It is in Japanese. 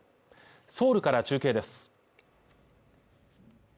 ソウルから中継です